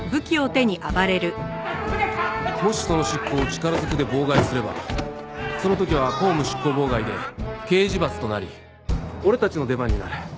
もしその執行を力ずくで妨害すればその時は公務執行妨害で刑事罰となり俺たちの出番になる。